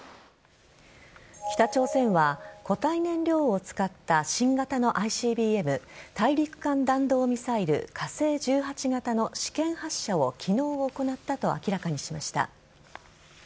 北朝鮮は固体燃料を使った新型のＩＣＢＭ＝大陸間弾道ミサイル火星１８型の試験発射を昨日行ったと明らかにしました。